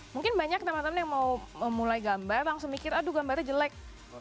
mungkin banyak teman teman yang mau memulai gambar langsung mikir aduh gambarnya jelek